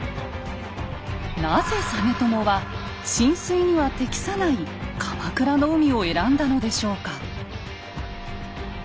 なぜ実朝は進水には適さない鎌倉の海を選んだのでしょうか？